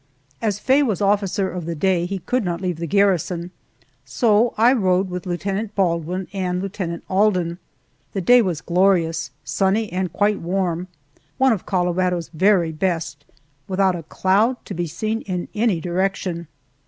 As Faye was officer of the day, he could not leave the garrison, so I rode with Lieutenant Baldwin and Lieutenant Alden. The day was glorious sunny, and quite warm one of Colorado's very best, without a cloud to be seen in any direction.